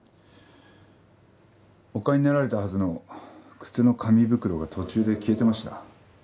お買いになられたはずの靴の紙袋が途中で消えてました。